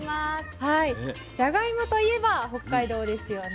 じゃがいもといえば北海道ですよね。